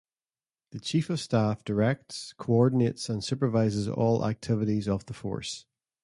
The Chief of Staff directs, coordinates and supervises all activities of the force.